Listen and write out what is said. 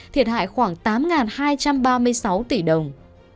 thiệt hại khoảng tám hai trăm ba mươi sáu tỷ đồng